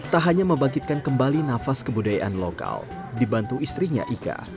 tak hanya membangkitkan kembali nafas kebudayaan lokal dibantu istrinya ika